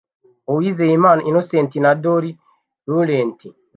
Uwizeyimana Innocent na Ndoli Laurent